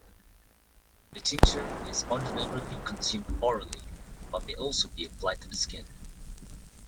The tincture is ordinarily consumed orally, but may also be applied to the skin.